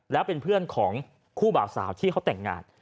แล้วเป็นเพื่อนของคู่บ่าวสาวที่เขาแต่งงาน